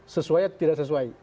sesuai atau tidak sesuai